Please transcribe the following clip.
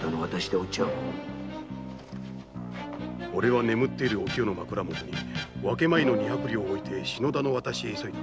俺は眠っているおきよの枕もとに分け前の二百両を置いて篠田の渡しへ急いだ。